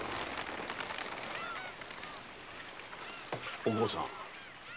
お幸さん